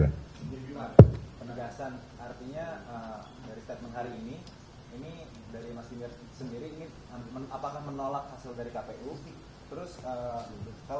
penerima penegasan artinya dari statement hari ini ini dari mas indra sendiri ini apakah menolak hasil dari kpu terus